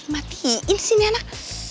matiin sih ini anak